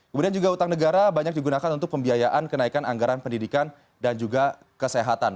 kemudian juga utang negara banyak digunakan untuk pembiayaan kenaikan anggaran pendidikan dan juga kesehatan